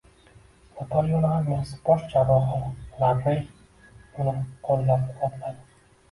Napoleon armiyasi bosh jarrohi Larrey uni qo‘llab-quvvatladi